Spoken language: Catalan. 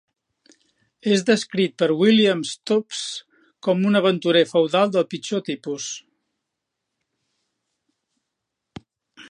És descrit per William Stubbs com "un aventurer feudal del pitjor tipus".